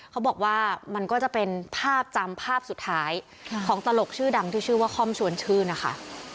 เขาบอกว่ามันก็จะเป็นภาพจำภาพสุดท้ายของตลกชื่อดังที่ชื่อว่าคอมชวนชื่นนะคะ